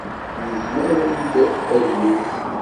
Yuzen-awen-d adlis.